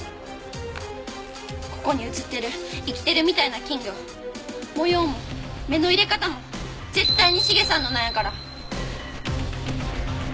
ここに写ってる生きてるみたいな金魚模様も目の入れ方も絶対に茂さんのなんやから！